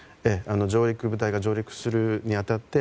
上陸部隊が上陸するに当たって